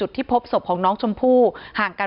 ที่มีข่าวเรื่องน้องหายตัว